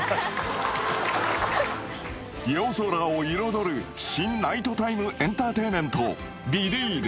夜空を彩る新ナイトタイムエンターテイメント「ビリーヴ！